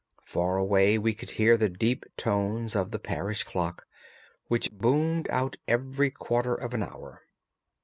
Far away we could hear the deep tones of the parish clock, which boomed out every quarter of an hour.